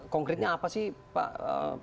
konkretnya apa sih pak